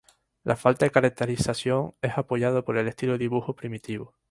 La falta de caracterización es apoyada por el estilo de dibujo primitivo.